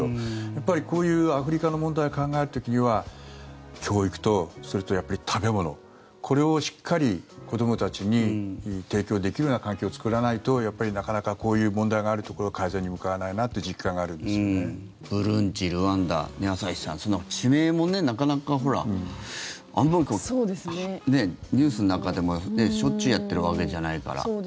やっぱりこういうアフリカの問題を考える時には教育と、それとやっぱり食べ物これをしっかり子どもたちに提供できるような環境を作らないとなかなかこういう問題があるところは改善に向かわないなというブルンジ、ルワンダ朝日さん、地名もなかなかニュースの中でもしょっちゅうやっているわけじゃないから。